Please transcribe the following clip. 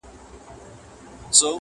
تسلیم کړي یې خانان او جنرالان وه-